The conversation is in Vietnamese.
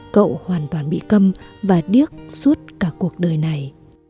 cậu hoàn toàn bị cầm và điếc suốt cả cuộc đời này